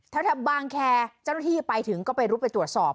ท่าสถาบังแคร์จังหลักที่ไปถึงก็รุกไปตรวจสอบ